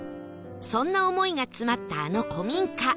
そんな思いが詰まったあの古民家